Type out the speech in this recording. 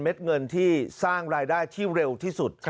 เด็ดเงินที่สร้างรายได้ที่เร็วที่สุด